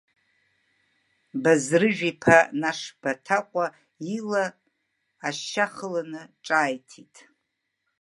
Базрыжә-иԥа Нашбаҭаҟәа ила ашьа хыланы ҿааиҭит.